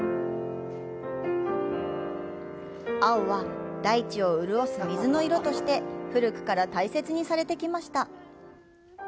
「青」は大地を潤す水の色として、古くから大切にされてきました。